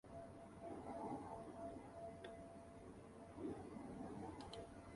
The engine room fire was extinguished but the merchant was disabled.